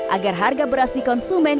agar harga beras dikonsumen